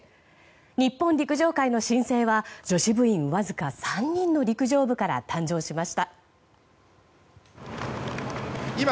日本陸上界の新星は女子部員わずか３人の陸上部から誕生しました。